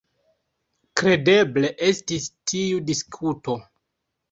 Kredeble estis tiu diskuto.